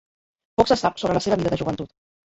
Poc se sap sobre la seva vida de joventut.